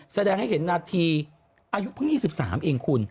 แสดงให้เห็นนาทีอายุเพิ่ง๒๓เองคุณ